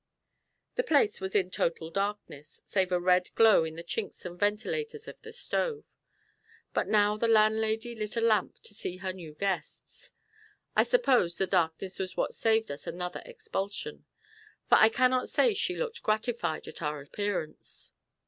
The place was in total darkness, save a red glow in the chinks and ventilators of the stove. But now the landlady lit a lamp to see her new guests; I suppose the darkness was what saved us another expulsion; for I cannot say she looked gratified at our appearance.